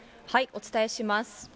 お伝えします。